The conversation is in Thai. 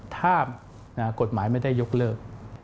ถ้ากฎหมายไม่ได้ยกเลิก